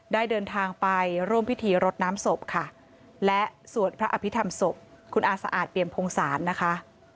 ได้เดินทางไปร่วมพิธีรดน้ำศพค่ะและสวดพระอภิษฐรรมศพคุณอาสะอาดเปรียมพงศาลนะคะ